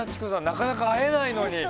なかなか会えないのに。